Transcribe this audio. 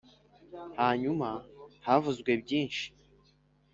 hanyuma havuzwe byinshi